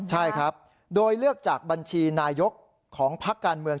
ใช่ครับโดยเลือกจากบัญชีนายกของพักการเมือง